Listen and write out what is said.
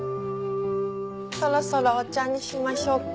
そろそろお茶にしましょうか。